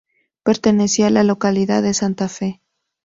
Pertenecía a la localidad de Santa Fe.